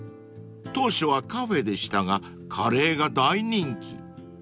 ［当初はカフェでしたがカレーが大人気］